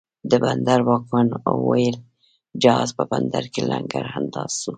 د بندر واکمن اوویل، جهاز په بندر کې لنګر انداز سو